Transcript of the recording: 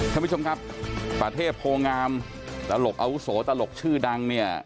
ท่านผู้ชมครับประเทศโพงามตลกอาวุโสตลกชื่อดังเนี่ย